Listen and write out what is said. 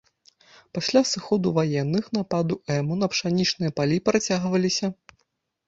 Пасля сыходу ваенных нападу эму на пшанічныя палі працягваліся.